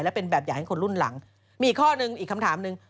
แบบอยากให้คนรุ่นหลังมีอีกข้อหนึ่งอีกคำถามหนึ่ง